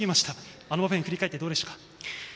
あの場面振り返ってどうでしょうか。